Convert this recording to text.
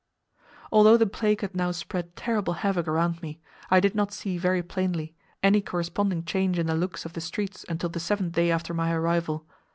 Although the plague had now spread terrible havoc around me, I did not see very plainly any corresponding change in the looks of the streets until the seventh day after my arrival.